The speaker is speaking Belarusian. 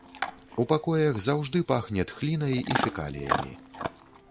У пакоях заўжды пахне тхлінай і фекаліямі.